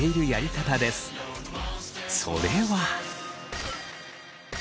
それは。